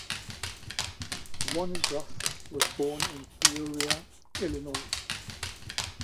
Wansbrough was born in Peoria, Illinois.